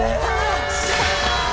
よっしゃー！